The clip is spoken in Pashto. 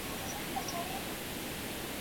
یو مُلا وو یوه ورځ سیند ته لوېدلی ,